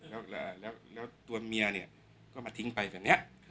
แล้วแล้วแล้วตัวเมียเนี้ยก็มาทิ้งไปแบบเนี้ย